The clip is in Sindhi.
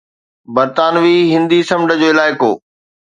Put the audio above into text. برطانوي هندي سمنڊ جو علائقو